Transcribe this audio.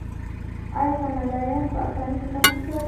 آیا کاناډایان په اسانۍ سفر نشي کولی؟